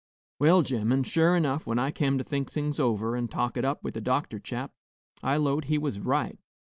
Well, gemmen, sure 'nough, when I kem to think things over, and talk it up with the doctor chap, I 'lowed he was right.